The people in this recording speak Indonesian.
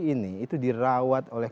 ini itu dirawat oleh